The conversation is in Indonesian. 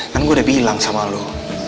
kan gue udah bilang sama lo